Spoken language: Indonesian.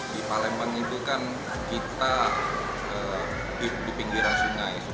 di palembang itu kan kita di pinggiran sungai